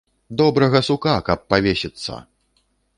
Добрага сука, каб павесіцца!